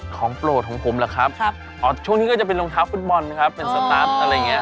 ของโปรดของผมเหรอครับอ๋อช่วงนี้ก็จะเป็นรองเท้าฟุตบอลครับเป็นสตาร์ทอะไรอย่างเงี้